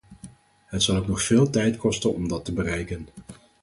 Het zal ook nog veel tijd kosten om dat te bereiken.